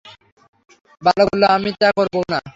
বালক বলল, আমি তা করব না।